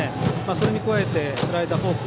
それに加えてスライダー、フォーク